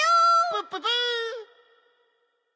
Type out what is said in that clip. プッププ！